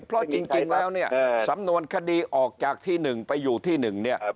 เพราะจริงแล้วเนี่ยสำนวนคดีออกจากที่๑ไปอยู่ที่๑เนี่ย